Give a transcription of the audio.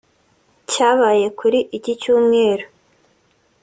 cyabaye kuri iki cyumweru